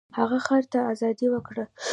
هغه خر ته ازادي ورکړه.